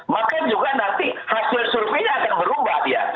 maka juga nanti hasil surveinya akan berubah dia